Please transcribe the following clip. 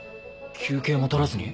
休憩も取らずに？